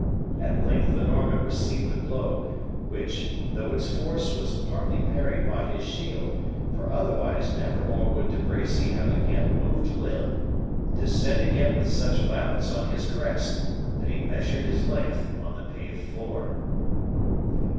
At length the Norman received a blow, which, though its force was partly parried by his shield, for otherwise never more would De Bracy have again moved limb, descended yet with such violence on his crest, that he measured his length on the paved floor.